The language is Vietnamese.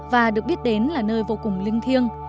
và được biết đến là nơi vô cùng linh thiêng